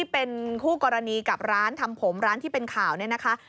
เป็นคู่กรณีกับร้านทำผมร้านที่เป็นข่าวเนี่ยนะคะ